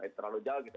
terlalu jauh gitu